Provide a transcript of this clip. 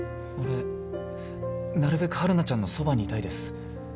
俺なるべく晴汝ちゃんのそばにいたいです。